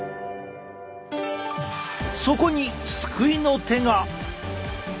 そこに救いの手が。